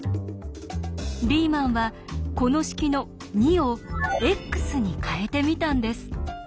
リーマンはこの式の「２」を「ｘ」に変えてみたんです。